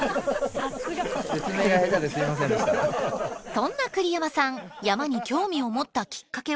そんな栗山さん「山」に興味を持ったきっかけは。